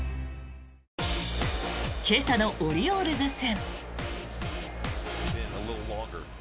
今朝のオリオールズ戦。